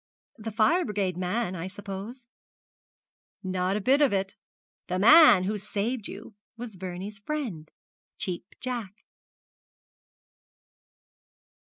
'The fire brigade man, I suppose.' 'Not a bit of it. The man who saved you was Vernie's friend, Cheap Jack.'